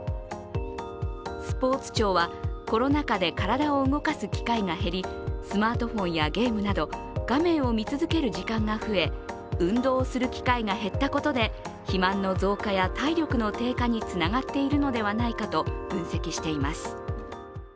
スポーツ庁は、コロナ禍で体を動かす機会が減りスマートフォンやゲームなど、画面を見続ける時間が増え運動をする機会が減ったことで肥満の増加や体力の低下につながっているのではないかと分析しています。